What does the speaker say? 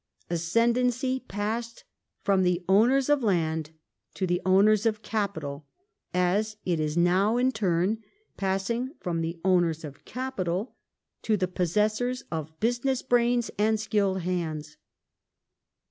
Ascendancy passed from the ownei s of land to the ownei*s of capital, as it is now, in turn, passing from the owners of capital to the possessors of business brains and skilled hands.